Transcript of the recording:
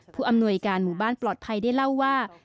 ผู้อำนวยการหมู่บ้านปลอดภัยได้เล่าว่า